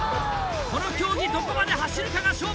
この競技どこまで走るかが勝負の鍵！